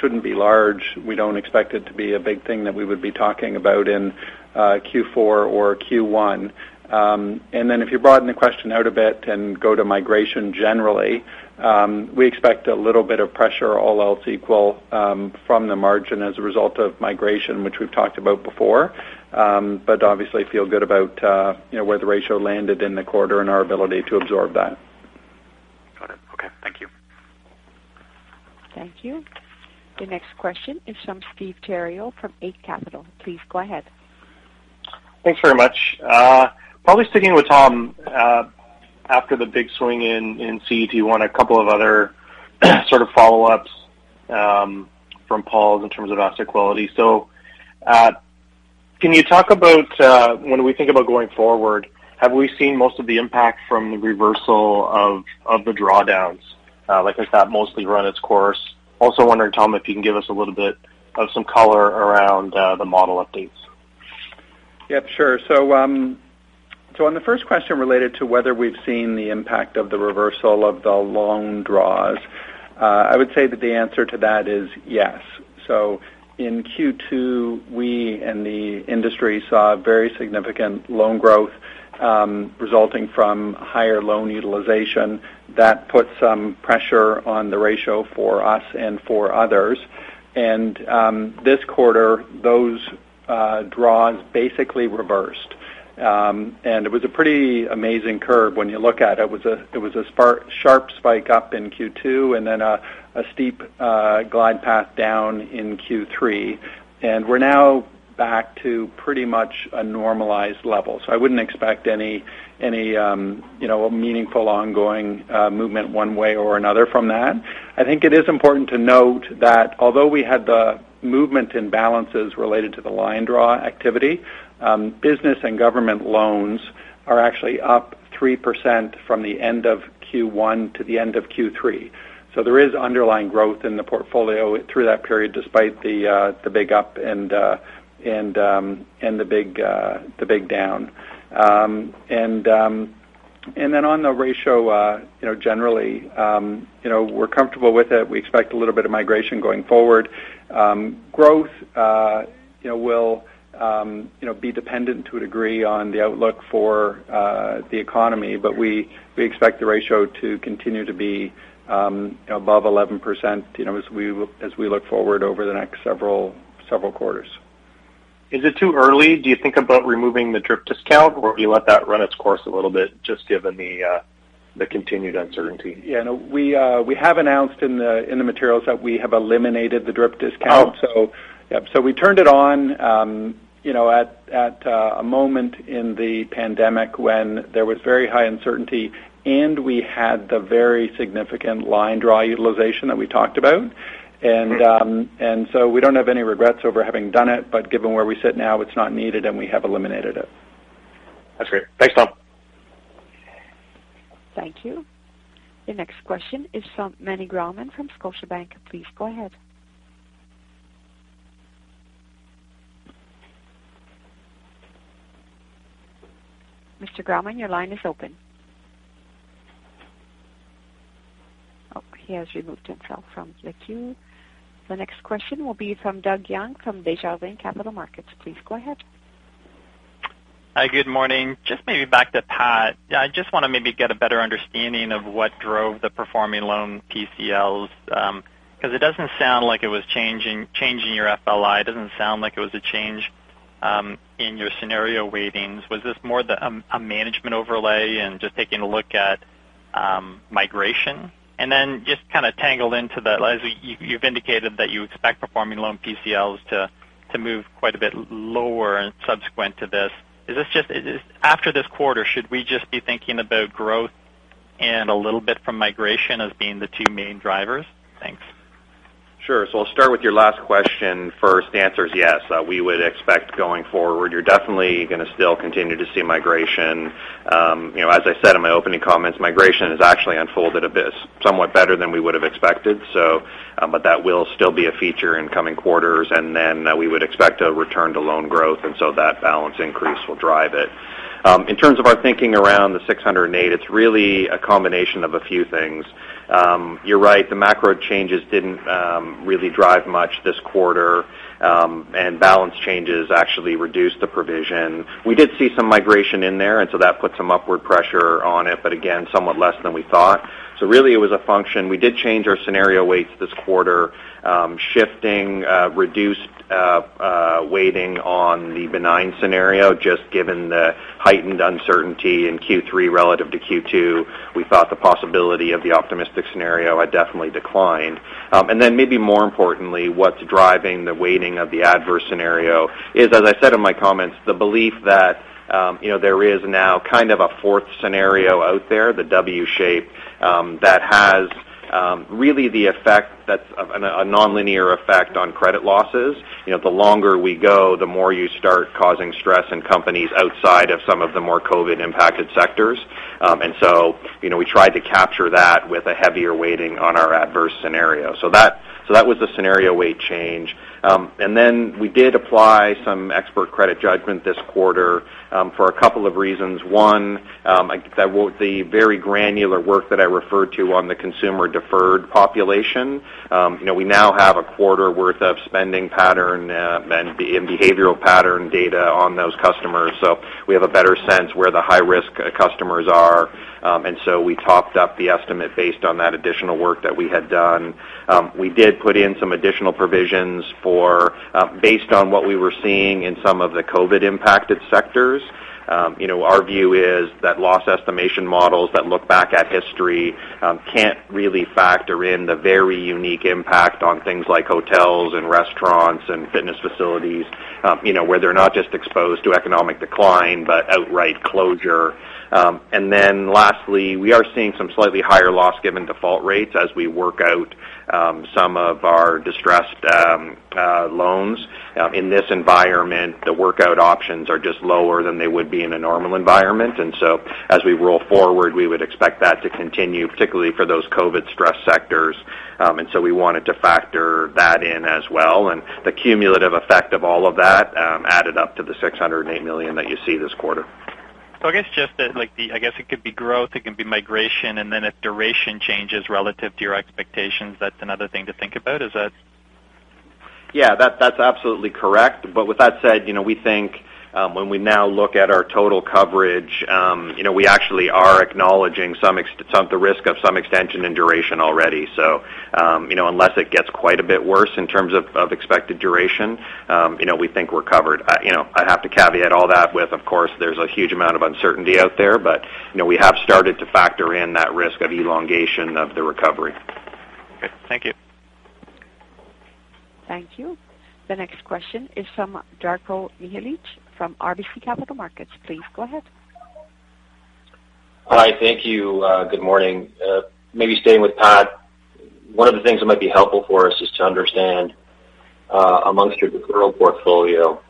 shouldn't be large. We don't expect it to be a big thing that we would be talking about in Q4 or Q1. If you broaden the question out a bit and go to migration generally, we expect a little bit of pressure, all else equal, from the margin as a result of migration, which we've talked about before. Obviously feel good about where the ratio landed in the quarter and our ability to absorb that. Got it. Okay. Thank you. Thank you. The next question is from Steve Theriault from Eight Capital. Please go ahead. Thanks very much. Probably sticking with Tom. After the big swing in CET1, a couple of other sort of follow-ups from Paul's in terms of asset quality. Can you talk about when we think about going forward, have we seen most of the impact from the reversal of the drawdowns? Like I said, mostly run its course. Also wondering, Tom, if you can give us a little bit of some color around the model updates. Yep, sure. On the first question related to whether we've seen the impact of the reversal of the loan draws, I would say that the answer to that is yes. In Q2, we in the industry saw very significant loan growth resulting from higher loan utilization. That put some pressure on the ratio for us and for others. This quarter, those draws basically reversed. It was a pretty amazing curve when you look at it. It was a sharp spike up in Q2 and then a steep glide path down in Q3. We're now back to pretty much a normalized level. I wouldn't expect any meaningful ongoing movement one way or another from that. I think it is important to note that although we had the movement in balances related to the line draw activity, business and government loans are actually up 3% from the end of Q1 to the end of Q3. There is underlying growth in the portfolio through that period, despite the big up and the big down. On the ratio, generally we're comfortable with it. We expect a little bit of migration going forward. Growth will be dependent to a degree on the outlook for the economy, but we expect the ratio to continue to be above 11% as we look forward over the next several quarters. Is it too early? Do you think about removing the DRIP discount, or will you let that run its course a little bit just given the continued uncertainty? Yeah, no. We have announced in the materials that we have eliminated the DRIP discount. Oh. Yep. We turned it on at a moment in the pandemic when there was very high uncertainty, and we had the very significant line draw utilization that we talked about. We don't have any regrets over having done it, but given where we sit now, it's not needed, and we have eliminated it. That's great. Thanks, Tom. Thank you. The next question is from Meny Grauman from Scotiabank. Please go ahead. Mr. Grauman, your line is open. Oh, he has removed himself from the queue. The next question will be from Doug Young from Desjardins Capital Markets. Please go ahead. Hi. Good morning. Just maybe back to Pat. I just want to maybe get a better understanding of what drove the performing loan PCLs because it doesn't sound like it was changing your FLI. It doesn't sound like it was a change in your scenario weightings. Was this more a management overlay and just taking a look at migration? Just kind of tangled into that, you've indicated that you expect performing loan PCLs to move quite a bit lower subsequent to this. After this quarter, should we just be thinking about growth and a little bit from migration as being the two main drivers? Thanks. Sure. I'll start with your last question first. The answer is yes. We would expect going forward you're definitely going to still continue to see migration. As I said in my opening comments, migration has actually unfolded somewhat better than we would've expected. That will still be a feature in coming quarters, and then we would expect a return to loan growth, and so that balance increase will drive it. In terms of our thinking around the $608 million, it's really a combination of a few things. You're right, the macro changes didn't really drive much this quarter, and balance changes actually reduced the provision. We did see some migration in there, and so that put some upward pressure on it. Again, somewhat less than we thought. Really, it was a function. We did change our scenario weights this quarter, shifting reduced weighting on the benign scenario, just given the heightened uncertainty in Q3 relative to Q2. We thought the possibility of the optimistic scenario had definitely declined. Maybe more importantly, what's driving the weighting of the adverse scenario is, as I said in my comments, the belief that there is now kind of a fourth scenario out there, the W shape, that has really the effect that's a nonlinear effect on credit losses. The longer we go, the more you start causing stress in companies outside of some of the more COVID-impacted sectors. We tried to capture that with a heavier weighting on our adverse scenario. That was the scenario weight change. We did apply some expert credit judgment this quarter for a couple of reasons. The very granular work that I referred to on the consumer deferred population. We now have a quarter worth of spending pattern and behavioral pattern data on those customers, so we have a better sense where the high-risk customers are. We topped up the estimate based on that additional work that we had done. We did put in some additional provisions based on what we were seeing in some of the COVID-impacted sectors. Our view is that loss estimation models that look back at history can't really factor in the very unique impact on things like hotels and restaurants and fitness facilities where they're not just exposed to economic decline but outright closure. Lastly, we are seeing some slightly higher Loss Given Default rates as we work out some of our distressed loans. In this environment, the workout options are just lower than they would be in a normal environment. As we roll forward, we would expect that to continue, particularly for those COVID-stressed sectors. We wanted to factor that in as well. The cumulative effect of all of that added up to the $608 million that you see this quarter. I guess it could be growth, it can be migration, and then if duration changes relative to your expectations, that's another thing to think about, is that? Yeah. That's absolutely correct. With that said, we think when we now look at our total coverage we actually are acknowledging the risk of some extension and duration already. Unless it gets quite a bit worse in terms of expected duration we think we're covered. I have to caveat all that with, of course, there's a huge amount of uncertainty out there. We have started to factor in that risk of elongation of the recovery. Okay. Thank you. Thank you. The next question is from Darko Mihelic from RBC Capital Markets. Please go ahead. Hi. Thank you. Good morning. Maybe staying with Pat, one of the things that might be helpful for us is to understand amongst your deferral portfolio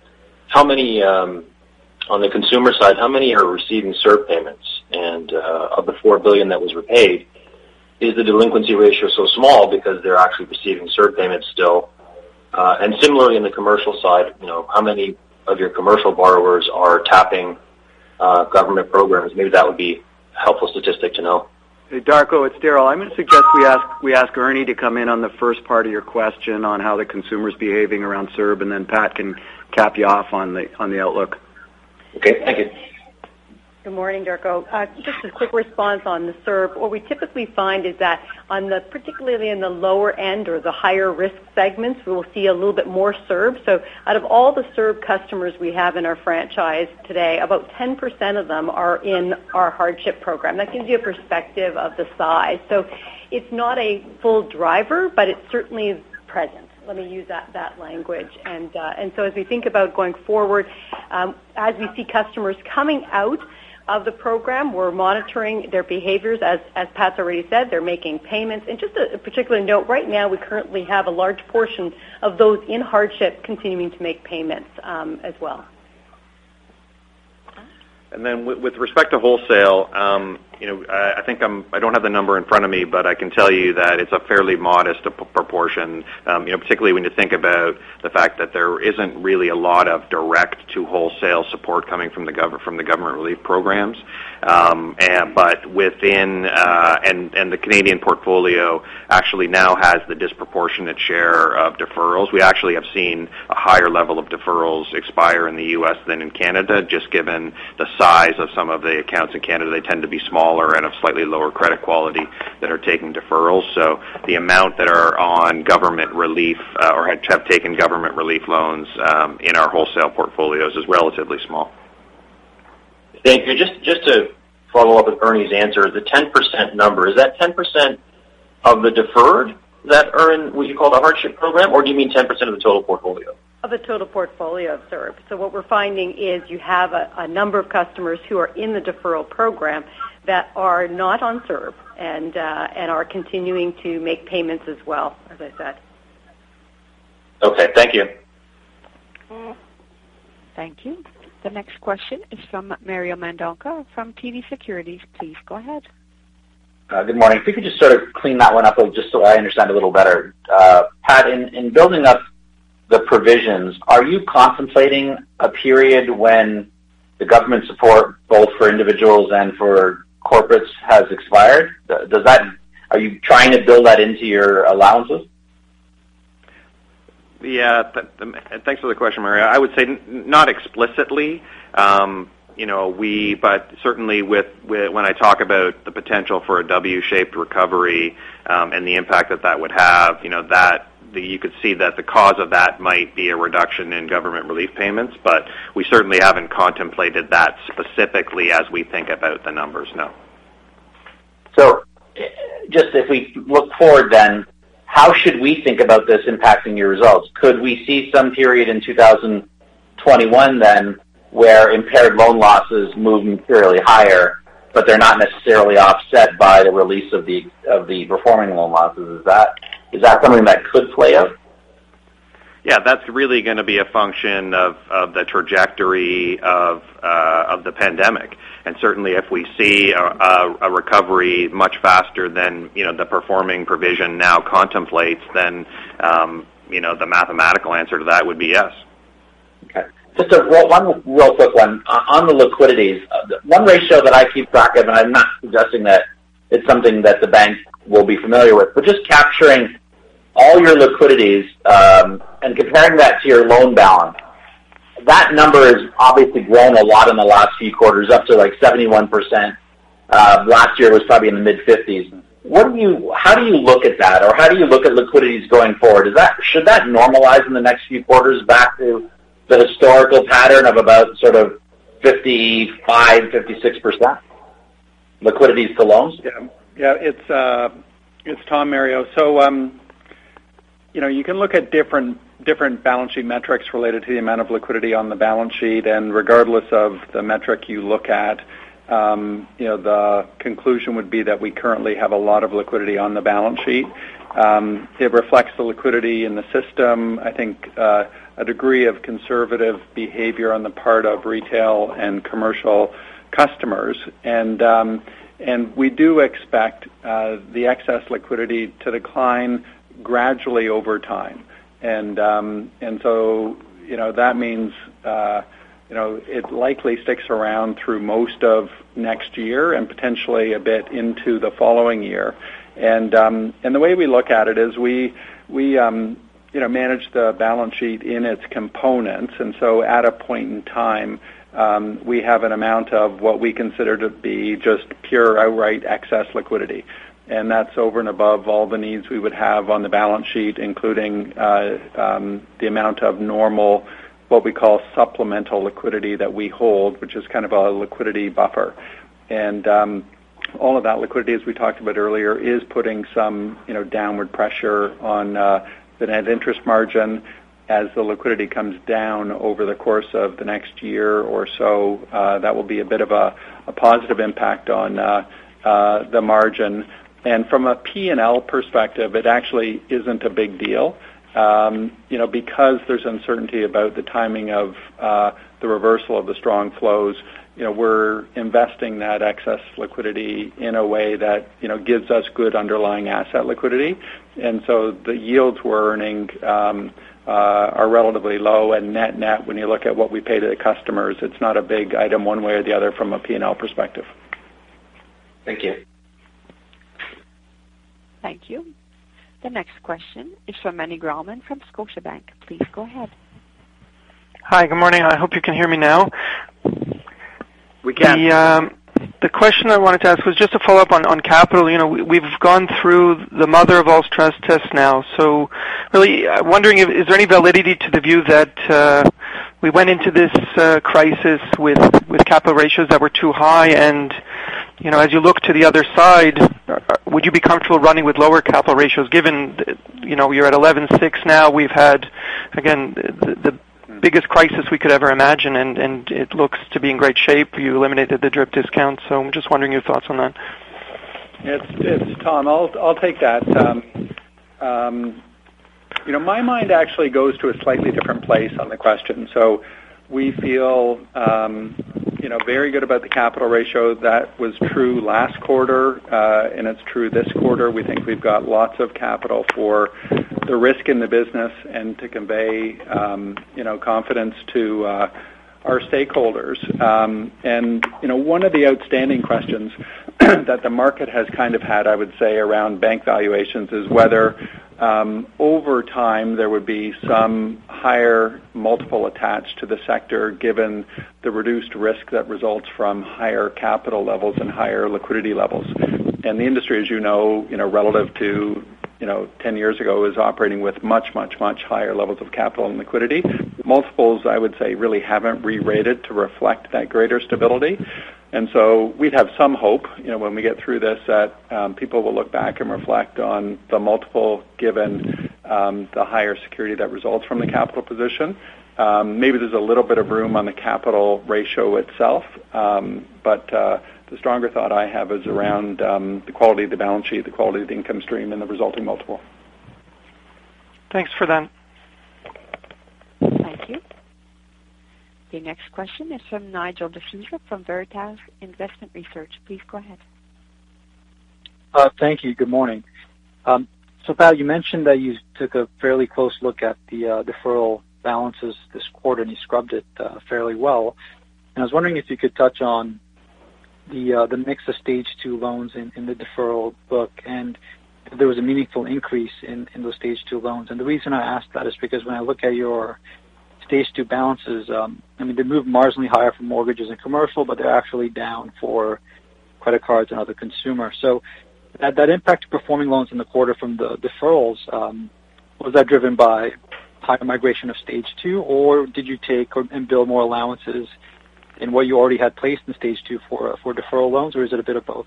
on the consumer side, how many are receiving CERB payments? Of the $4 billion that was repaid, is the delinquency ratio so small because they're actually receiving CERB payments still? Similarly, in the commercial side, how many of your commercial borrowers are tapping government programs? Maybe that would be a helpful statistic to know. Hey, Darko, it's Darryl. I'm going to suggest we ask Ernie to come in on the first part of your question on how the consumer's behaving around CERB. Pat can cap you off on the outlook. Okay. Thank you. Good morning, Darko. Just a quick response on the CERB. What we typically find is that particularly in the lower end or the higher-risk segments, we will see a little bit more CERB. Out of all the CERB customers we have in our franchise today, about 10% of them are in our hardship program. That gives you a perspective of the size. It's not a full driver, but it certainly is present. Let me use that language. As we think about going forward, as we see customers coming out of the program, we're monitoring their behaviors. As Pat's already said, they're making payments. Just a particular note, right now we currently have a large portion of those in hardship continuing to make payments as well. With respect to Wholesale, I don't have the number in front of me, but I can tell you that it's a fairly modest proportion, particularly when you think about the fact that there isn't really a lot of direct-to-Wholesale support coming from the government relief programs. The Canadian portfolio actually now has the disproportionate share of deferrals. We actually have seen a higher level of deferrals expire in the U.S. than in Canada, just given the size of some of the accounts in Canada. They tend to be smaller and of slightly lower credit quality that are taking deferrals. The amount that are on government relief or have taken government relief loans in our wholesale portfolios is relatively small. Thank you. Just to follow up with Ernie's answer, the 10% number, is that 10% of the deferred that earn what you call the hardship program, or do you mean 10% of the total portfolio? Of the total portfolio of CERB. What we're finding is you have a number of customers who are in the deferral program that are not on CERB and are continuing to make payments as well, as I said. Okay. Thank you. Thank you. The next question is from Mario Mendonca from TD Securities. Please go ahead. Good morning. If you could just sort of clean that one up just so I understand a little better. Pat, in building up the provisions, are you contemplating a period when the government support both for individuals and for corporates has expired? Are you trying to build that into your allowances? Yeah. Thanks for the question, Mario. I would say not explicitly. Certainly when I talk about the potential for a W-shaped recovery, and the impact that that would have, you could see that the cause of that might be a reduction in government relief payments. We certainly haven't contemplated that specifically as we think about the numbers, no. Just if we look forward then, how should we think about this impacting your results? Could we see some period in 2021 then where impaired loan losses move materially higher, but they're not necessarily offset by the release of the performing loan losses? Is that something that could play out? Yeah, that's really going to be a function of the trajectory of the pandemic. Certainly if we see a recovery much faster than the performing provision now contemplates, then the mathematical answer to that would be yes. Okay. Just one real quick one. On the liquidities, one ratio that I keep track of, and I'm not suggesting that it's something that the bank will be familiar with, but just capturing all your liquidities and comparing that to your loan balance. That number has obviously grown a lot in the last few quarters, up to like 71%. Last year it was probably in the mid-50s. How do you look at that? How do you look at liquidities going forward? Should that normalize in the next few quarters back to the historical pattern of about sort of 55%, 56% liquidities to loans? Yeah. It's Tom, Mario. You can look at different balance sheet metrics related to the amount of liquidity on the balance sheet. Regardless of the metric you look at, the conclusion would be that we currently have a lot of liquidity on the balance sheet. It reflects the liquidity in the system, I think a degree of conservative behavior on the part of retail and commercial customers. We do expect the excess liquidity to decline gradually over time. That means it likely sticks around through most of next year and potentially a bit into the following year. The way we look at it is we manage the balance sheet in its components. At a point in time, we have an amount of what we consider to be just pure outright excess liquidity. That's over and above all the needs we would have on the balance sheet, including the amount of normal, what we call supplemental liquidity that we hold, which is kind of a liquidity buffer. All of that liquidity, as we talked about earlier, is putting some downward pressure on the net interest margin as the liquidity comes down over the course of the next year or so. That will be a bit of a positive impact on the margin. From a P&L perspective, it actually isn't a big deal. There's uncertainty about the timing of the reversal of the strong flows, we're investing that excess liquidity in a way that gives us good underlying asset liquidity. The yields we're earning are relatively low and net net when you look at what we pay to the customers, it's not a big item one way or the other from a P&L perspective. Thank you. Thank you. The next question is from Meny Grauman from Scotiabank. Please go ahead. Hi. Good morning. I hope you can hear me now. We can. The question I wanted to ask was just a follow-up on capital. We've gone through the mother of all stress tests now. Really wondering if, is there any validity to the view that we went into this crisis with capital ratios that were too high and as you look to the other side, would you be comfortable running with lower capital ratios given you're at 11.6% now. We've had, again, the biggest crisis we could ever imagine, and it looks to be in great shape. You eliminated the DRIP discount. I'm just wondering your thoughts on that. It's Tom. I'll take that. My mind actually goes to a slightly different place on the question. We feel very good about the capital ratio. That was true last quarter, and it's true this quarter. We think we've got lots of capital for the risk in the business and to convey confidence to our stakeholders. One of the outstanding questions that the market has kind of had, I would say, around bank valuations is whether, over time, there would be some higher multiple attached to the sector given the reduced risk that results from higher capital levels and higher liquidity levels. The industry, as you know, relative to 10 years ago, is operating with much, much, much higher levels of capital and liquidity. Multiples, I would say really haven't rerated to reflect that greater stability. We'd have some hope when we get through this that people will look back and reflect on the multiple given the higher security that results from the capital position. Maybe there's a little bit of room on the capital ratio itself. The stronger thought I have is around the quality of the balance sheet, the quality of the income stream, and the resulting multiple. Thanks for that. Thank you. The next question is from Nigel D'Souza from Veritas Investment Research. Please go ahead. Thank you. Good morning. Pat, you mentioned that you took a fairly close look at the deferral balances this quarter, and you scrubbed it fairly well. I was wondering if you could touch on the mix of Stage 2 loans in the deferral book, and if there was a meaningful increase in those Stage 2 loans. The reason I ask that is because when I look at your Stage 2 balances, they move marginally higher for mortgages and commercial, but they're actually down for credit cards and other consumer. That impact to performing loans in the quarter from the deferrals, was that driven by higher migration of Stage 2, or did you take and build more allowances in what you already had placed in Stage 2 for deferral loans, or is it a bit of both?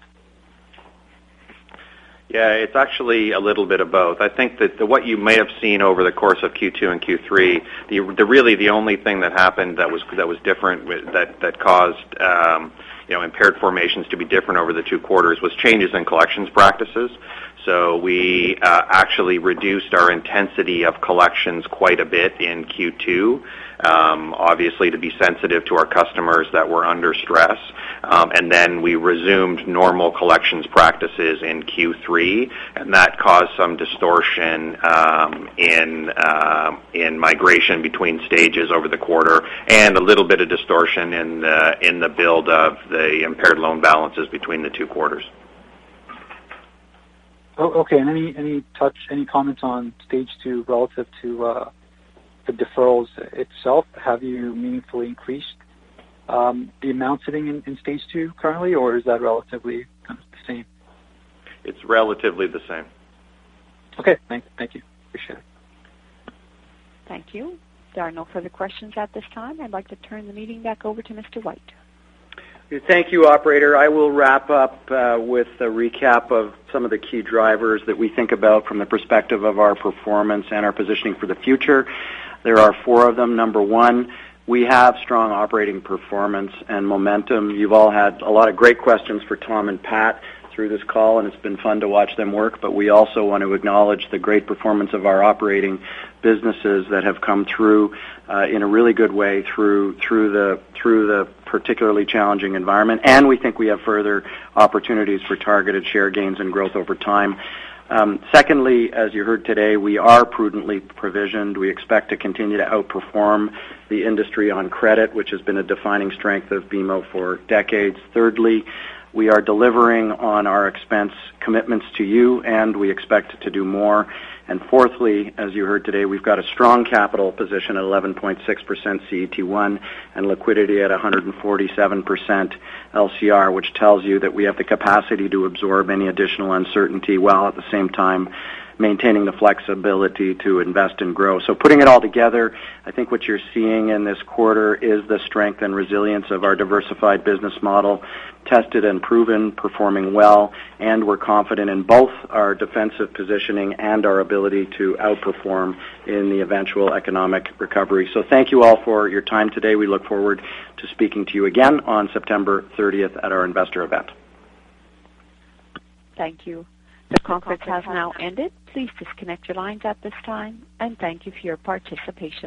Yeah. It's actually a little bit of both. I think that what you may have seen over the course of Q2 and Q3, really the only thing that happened that was different that caused impaired formations to be different over the two quarters was changes in collections practices. We actually reduced our intensity of collections quite a bit in Q2, obviously to be sensitive to our customers that were under stress. We resumed normal collections practices in Q3, and that caused some distortion in migration between stages over the quarter and a little bit of distortion in the build of the impaired loan balances between the two quarters. Okay. Any comments on Stage 2 relative to the deferrals itself? Have you meaningfully increased the amount sitting in Stage 2 currently, or is that relatively kind of the same? It's relatively the same. Okay. Thank you. Appreciate it. Thank you. There are no further questions at this time. I'd like to turn the meeting back over to Mr. White. Thank you, operator. I will wrap up with a recap of some of the key drivers that we think about from the perspective of our performance and our positioning for the future. There are four of them. Number one, we have strong operating performance and momentum. You've all had a lot of great questions for Tom and Pat through this call, and it's been fun to watch them work, but we also want to acknowledge the great performance of our operating businesses that have come through in a really good way through the particularly challenging environment. We think we have further opportunities for targeted share gains and growth over time. Secondly, as you heard today, we are prudently provisioned. We expect to continue to outperform the industry on credit, which has been a defining strength of BMO for decades. Thirdly, we are delivering on our expense commitments to you, and we expect to do more. Fourthly, as you heard today, we've got a strong capital position at 11.6% CET1 and liquidity at 147% LCR, which tells you that we have the capacity to absorb any additional uncertainty, while at the same time maintaining the flexibility to invest and grow. Putting it all together, I think what you're seeing in this quarter is the strength and resilience of our diversified business model, tested and proven, performing well, and we're confident in both our defensive positioning and our ability to outperform in the eventual economic recovery. Thank you all for your time today. We look forward to speaking to you again on September 30th at our Investor event. Thank you. This conference has now ended. Please disconnect your lines at this time, and thank you for your participation.